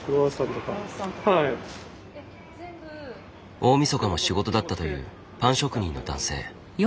大みそかも仕事だったというパン職人の男性。